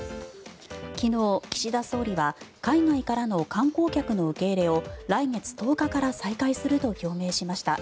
昨日、岸田総理は海外からの観光客の受け入れを来月１０日から再開すると表明しました。